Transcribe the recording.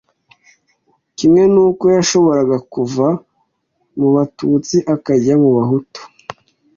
kimwe n’uko yashoboraga kuva mu Batutsi akajya mu Bahutu